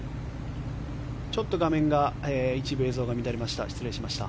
ちょっと画面が一部映像が乱れました。